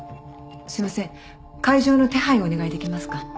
すみません会場の手配をお願いできますか？